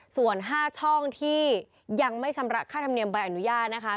ส่วน๕ช่องที่ยังไม่ชำระค่าธรรมเนียมใบอนุญาตนะคะ